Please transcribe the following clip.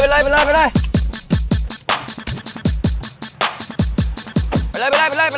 ไปเลย